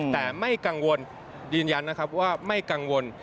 แต่ไม่กังวลยืนยันนะครับว่าไม่กังวล